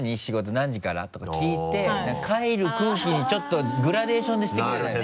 何時から？」とか聞いて帰る空気にちょっとグラデーションでしてくんだよね